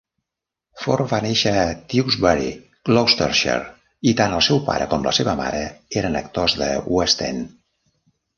Ford va néixer a Tewkesbury, Gloucestershire, i tant el seu pare com la seva mare eren actors de West End.